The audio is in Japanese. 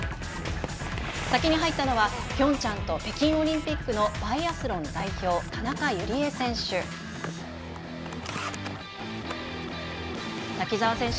先に入ったのはピョンチャンと北京オリンピックのバイアスロン代表田中友理恵選手。